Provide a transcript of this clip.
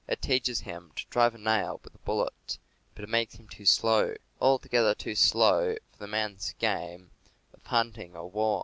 It teaches him to drive a nail with a bullet; but it makes him too slow — altogether too slow for the man's game of hunting or war.